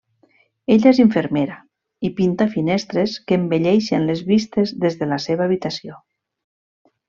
Ella és infermera i pinta finestres que embelleixen les vistes des de la seva habitació.